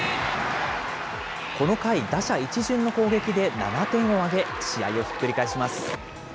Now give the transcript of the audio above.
この回、打者一巡の攻撃で７点を挙げ、試合をひっくり返します。